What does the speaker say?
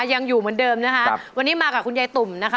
ยังอยู่เหมือนเดิมนะคะวันนี้มากับคุณยายตุ่มนะคะ